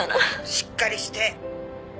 「しっかりして」